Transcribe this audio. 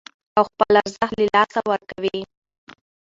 او خپل ارزښت له لاسه ورکوي